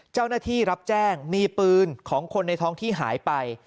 เจ้าหน้าที่รับแจ้งมีปืนของคนในท้องที่หายไป